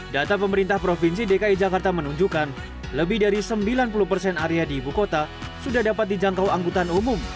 data pemerintah provinsi dki jakarta menunjukkan lebih dari sembilan puluh persen area di ibu kota sudah dapat dijangkau angkutan umum